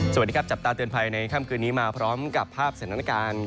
สวัสดีครับจับตาเตือนภัยในค่ำคืนนี้มาพร้อมกับภาพสถานการณ์